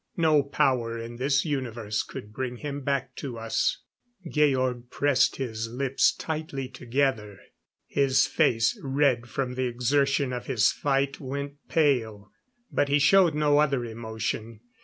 No power in this universe could bring him back to us. Georg pressed his lips tightly together. His face, red from the exertion of his fight, went pale. But he showed no other emotion.